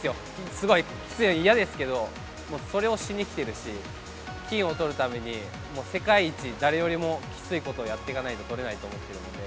すごいきついの嫌ですけど、もうそれをしに来てるし、金をとるために、もう世界一、誰よりもきついことをやってかないととれないと思うので。